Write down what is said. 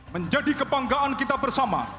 menjadi kebanggaan kita bersama